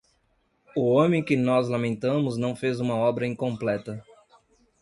O homem que nós lamentamos não fez uma obra incompleta.